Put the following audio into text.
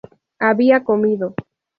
había comido